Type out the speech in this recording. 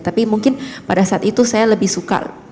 tapi mungkin pada saat itu saya lebih suka